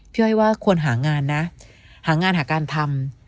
อ้อยว่าควรหางานนะหางานหาการทำ